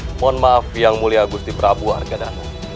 mohon maaf yang mulia agusti prabu artadhana